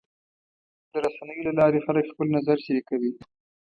د رسنیو له لارې خلک خپل نظر شریکوي.